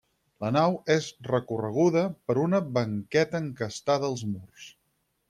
La nau és recorreguda per una banqueta encastada als murs.